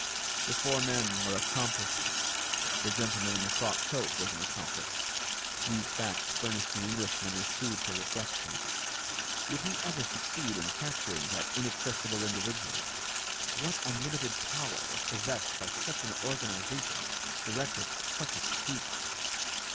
The four men were accomplices. The gentleman in the frock coat was an accomplice. These facts furnished the Englishman with food for reflection. Would he ever succeed in capturing that inaccessible individual? What unlimited power was possessed by such an organization, directed by such a chief!